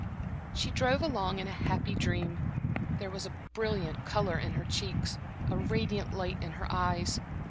She drove along in a happy dream. There was a brilliant color in her cheeks, a radiant light in her eyes.